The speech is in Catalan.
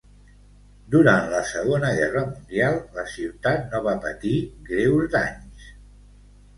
Durant la Segona Guerra mundial, la ciutat no va patir greus danys.